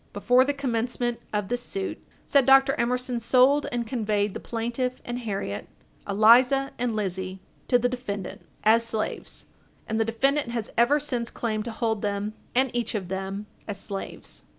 Before the commencement of this suit, said Dr. Emerson sold and conveyed the plaintiff, and Harriet, Eliza, and Lizzie, to the defendant, as slaves, and the defendant has ever since claimed to hold them, and each of them, as slaves.